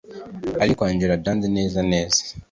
aruko angella byanze neza neza